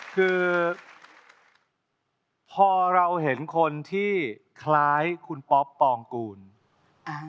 คือพอเราเห็นคนที่คล้ายคุณป๊อปปองกูล